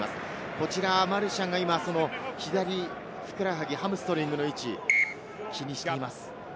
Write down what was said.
こちらマルシャンが今、左ふくらはぎ、ハムストリングの位置、気にしています。